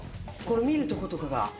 この見るとことかが。